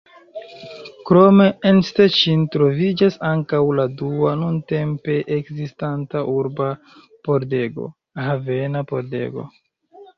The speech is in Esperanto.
Krome, en Szczecin troviĝas ankaŭ la dua nuntempe ekzistanta urba pordego: Havena Pordego.